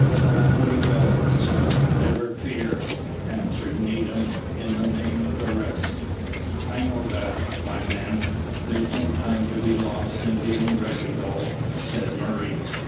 "That we will, sir, never fear," answered Needham, in the name of the rest. "I know that, my men; there's no time to be lost in getting ready though," said Murray.